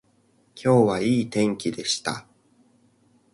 今日はいい天気でした